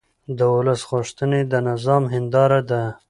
د ولس غوښتنې د نظام هنداره ده